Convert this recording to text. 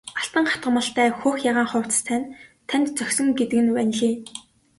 Алтан хатгамалтай хөх ягаан хувцас тань танд зохисон гэдэг нь ванлий!